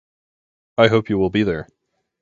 I hope you will be there.